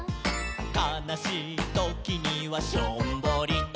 「かなしいときにはしょんぼりと」